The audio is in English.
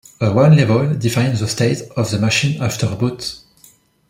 A runlevel defines the state of the machine after boot.